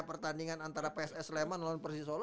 pertandingan antara pss leman lawan persisolo